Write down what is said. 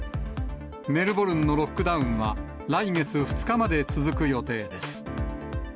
メルボルンのロックダウンは、来月２日まで続く予定です。